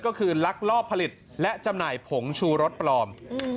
ก็คือลักลอบผลิตและจำหน่ายผงชูรสปลอม